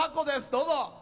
どうぞ。